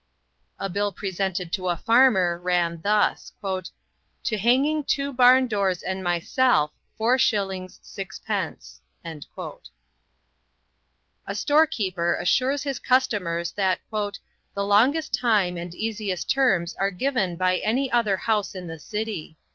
A bill presented to a farmer ran thus: "To hanging two barn doors and myself, 4_s._ 6_d._" A store keeper assures his customers that "the longest time and easiest terms are given by any other house in the city."